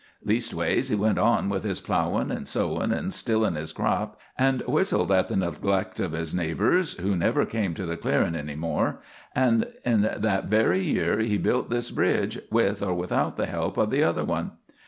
Leastways, he went on with his plowin' and sowin' and stillin' his crap, and whistled at the neglect of his neighbors, who never came to the clearin' any more, and in that very year he built this bridge, with or without the help of the other one.